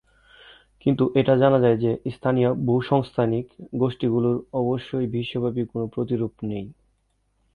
কিন্তু, এটা জানা যায় যে, "স্থানীয় ভূসংস্থানিক গোষ্ঠীগুলোর" অবশ্যই বিশ্বব্যাপী কোনো প্রতিরূপ নেই।